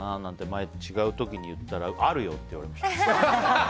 前、違うときに言ったらあるよ！って言われました。